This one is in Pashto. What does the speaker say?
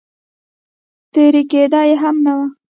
ترې کېده یې هم نه.